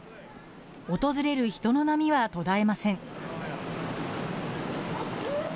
訪れる人の波は途絶えません。